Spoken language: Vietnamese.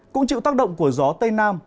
cũng chịu tác động của gió tây nam